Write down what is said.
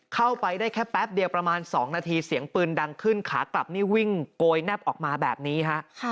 เข้าไปได้แค่แป๊บเดียวประมาณ๒นาทีเสียงปืนดังขึ้นขากลับนี่วิ่งโกยแนบออกมาแบบนี้ฮะ